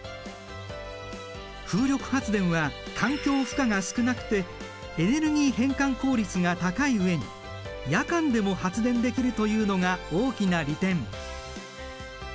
風力発電は環境負荷が少なくてエネルギー変換効率が高い上に夜間でも発電できるというのが大きな利点。